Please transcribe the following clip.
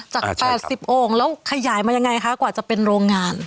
จาก๘๐โอ่งแล้วขยายมายังไงคะกว่าจะเป็นโรงงาน